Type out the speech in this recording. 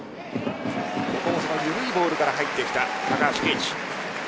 緩いボールから入ってきた高橋奎二。